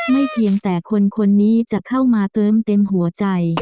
เพียงแต่คนนี้จะเข้ามาเติมเต็มหัวใจ